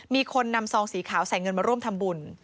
มีคนนำซองสีขาวใส่เงินมาร่วมทำบุญ